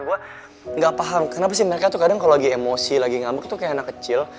gue gak paham kenapa sih mereka tuh kadang kalau lagi emosi lagi ngamuk tuh kayak anak kecil